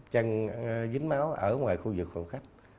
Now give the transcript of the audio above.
cái chân dính máu ở ngoài khu vực khuẩn khắc